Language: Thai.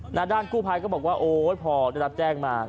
หน้าด้านกู้ภัยก็บอกว่าโอ๊ยพอได้รับแจ้งมา